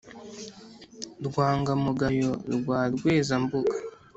rwanga-mugayo rwa rweza-mbuga,